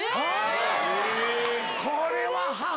これは「母」